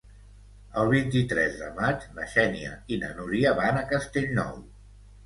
El vint-i-tres de maig na Xènia i na Núria van a Castellnou.